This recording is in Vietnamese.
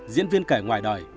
diễn viên kể ngoài đời